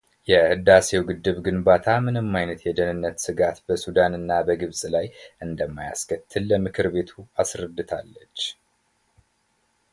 የሕዳሴው ግድብ ግንባታ ምንም ዓይነት የደኅንነት ስጋት በሱዳንና በግብፅ ላይ እንደማያስከትል ለምክር ቤቱ አስረድታለች።